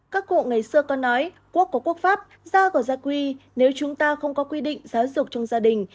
các cụ ngày xưa có nói quốc có quốc pháp ra của gia quy nếu chúng ta không có quy định giáo dục trong gia đình